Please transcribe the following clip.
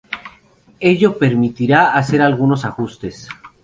Ello permitirá hacer algunos ajustes.